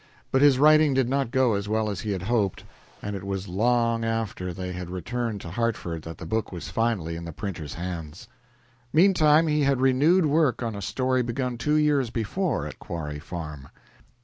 But his writing did not go as well as he had hoped, and it was long after they had returned to Hartford that the book was finally in the printer's hands. Meantime he had renewed work on a story begun two years before at Quarry Farm.